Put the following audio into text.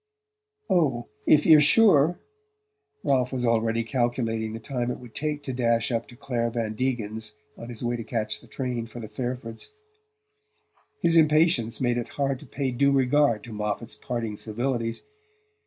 "Oh, if you're sure " Ralph was already calculating the time it would take to dash up to Clare Van Degen's on his way to catch the train for the Fairfords'. His impatience made it hard to pay due regard to Moffatt's parting civilities.